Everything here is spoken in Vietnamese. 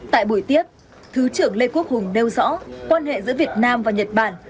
tại buổi tiếp thứ trưởng lê quốc hùng nêu rõ quan hệ giữa việt nam và nhật bản